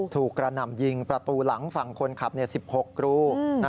กระหน่ำยิงประตูหลังฝั่งคนขับ๑๖รู